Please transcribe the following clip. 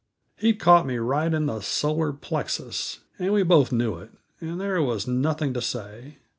He'd caught me right in the solar plexus, and we both knew it, and there was nothing to say.